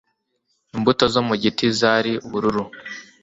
imbuto zo mu giti zari ubururu